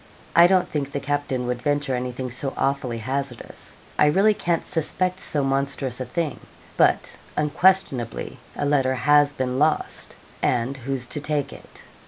I don't think the captain would venture anything so awfully hazardous. I really can't suspect so monstrous a thing; but, unquestionably, a letter has been lost and who's to take it?'